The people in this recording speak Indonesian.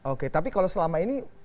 oke tapi kalau selama ini